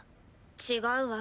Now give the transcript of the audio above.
違うわ。